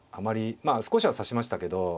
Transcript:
まあ少しは指しましたけど。